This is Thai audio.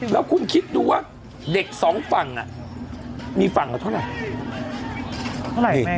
แล้วคุณคิดดูว่าเด็กสองฝั่งมีฝั่งละเท่าไหร่